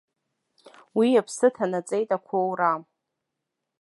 Уи аԥсы ҭанаҵеит ақәоура.